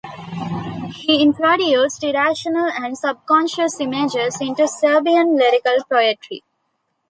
He introduced irrational and subconscious images into Serbian lyric poetry.